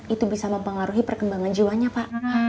itu bisa mempengaruhi perkembangan jiwanya pak